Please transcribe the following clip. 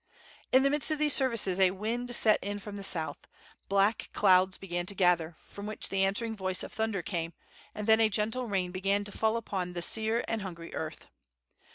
In the midst of these services a wind set in from the south. Black clouds began to gather, from which the answering voice of thunder came, and then a gentle rain began to fall upon the sere and hungry earth.